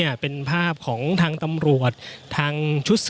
ทหารที่เข้าไปปฏิบัติการรวมถึงตำรวจเนี่ยก็ออกมาบ้างบางส่วนแล้วนะฮะคุณผู้ชมครับ